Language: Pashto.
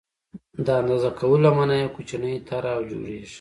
د اندازه کولو لمنه یې کوچنۍ طرحه او جوړېږي.